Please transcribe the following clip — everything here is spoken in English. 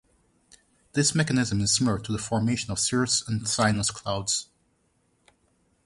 This mechanism is similar to the formation of cirrus uncinus clouds.